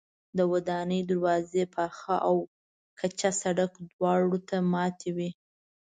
د ودانۍ دروازې پاخه او کچه سړک دواړو ته ماتې وې.